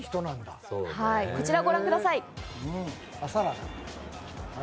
こちらをご覧ください。